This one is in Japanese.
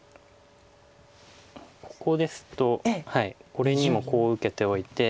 ここですとこれにもこう受けておいて。